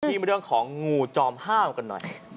จนทีมาเรื่องของโง่จอบห้ามกันหน่อย